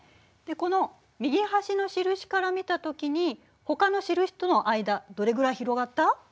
この右端の印から見たときにほかの印との間どれくらい広がった？